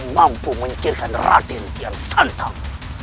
mampu mengikirkan radin kian santang